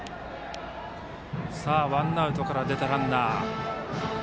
ワンアウトから出たランナー。